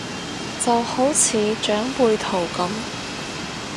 就好似長輩圖咁